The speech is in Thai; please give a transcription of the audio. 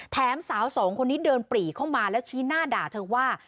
สาวสองคนนี้เดินปรีเข้ามาแล้วชี้หน้าด่าเธอว่า